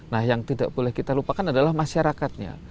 nah yang tidak boleh kita lupakan adalah masyarakatnya